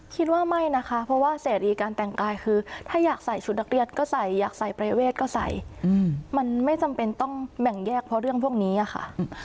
คิดว่าไม่นะคะเพราะว่าเสรีการแต่งกายคือถ้าอยากใส่ชุดนักเรียนก็ใส่อยากใส่ประเวทก็ใส่มันไม่จำเป็นต้องแบ่งแยกเพราะเรื่องพวกนี้อะค่ะ